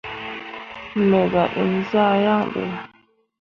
Me gah inzah yaŋ ɓe.